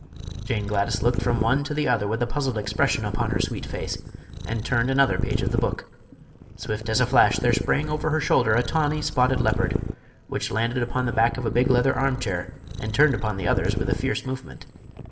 Jane Gladys looked from one to the other with a puzzled expression upon her sweet face, and turned another page of the book. Swift as a flash there sprang over her shoulder a tawney, spotted leopard, which landed upon the back of a big leather armchair and turned upon the others with a fierce movement.